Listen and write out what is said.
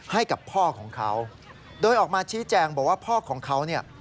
ให้กับพ่อของเขาโดยออกมาชี้แจงบอกว่าพ่อของเขาเนี่ย